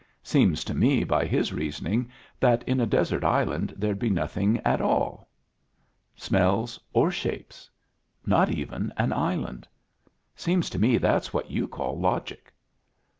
"Seems to me by his reasoning that in a desert island there'd be nothing it all smells or shapes not even an island. Seems to me that's what you call logic."